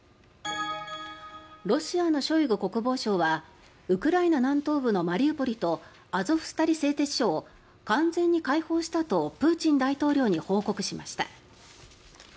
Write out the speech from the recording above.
ロシアのショイグ国防相はウクライナ南東部のマリウポリとアゾフスタリ製鉄所を完全に解放したとプーチン大統領に報告しました。